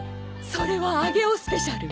それは上尾スペシャル。